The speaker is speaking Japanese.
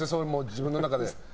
自分の中で。